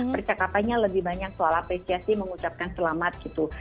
percakapannya lebih banyak soal apresiasi mengucapkan selamat gitu